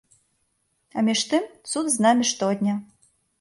А між тым, цуд з намі штодня.